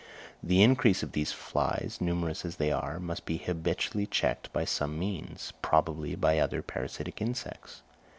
The increase of these flies, numerous as they are, must be habitually checked by some means, probably by other parasitic insects.